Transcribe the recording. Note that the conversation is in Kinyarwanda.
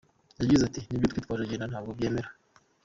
Yagize ati “Nibyo yitwaje agenda ntabwo mbyemera.